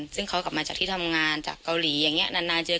ซึ่งตอนนั้นเราก็เมาแล้ว